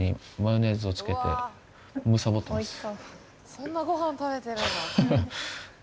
そんなごはん食べてるんだ。